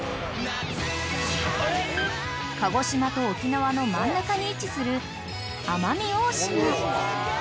［鹿児島と沖縄の真ん中に位置する奄美大島］